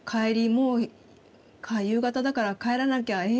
もう夕方だから帰らなきゃえ